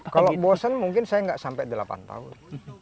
kalau bosan mungkin saya nggak sampai delapan tahun